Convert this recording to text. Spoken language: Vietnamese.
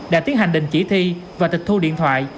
đã tiến hành đình chỉ thi và tịch thu điện thoại